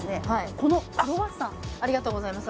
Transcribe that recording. このクロワッサンあっありがとうございます